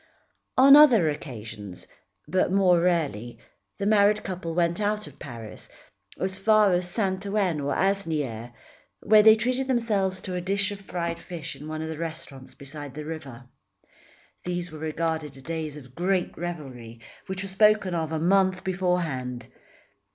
On other occasions, but more rarely, the married couple went out of Paris, as far as Saint Ouen or Asnières, where they treated themselves to a dish of fried fish in one of the restaurants beside the river. These were regarded as days of great revelry which were spoken of a month beforehand.